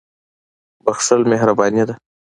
• بښل مهرباني ده.